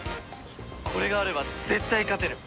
これがあれば絶対勝てる！